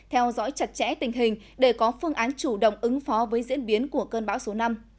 theo dõi chặt chẽ tình hình để có phương án chủ động ứng phó với diễn biến của cơn bão số năm